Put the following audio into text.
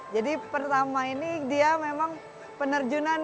jadi pertama ini dia memang penerjunan